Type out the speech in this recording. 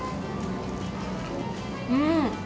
うん！